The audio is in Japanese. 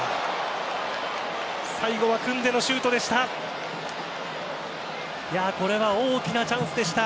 最後はクンデのシュートでした。